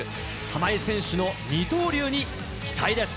玉井選手の二刀流に期待です。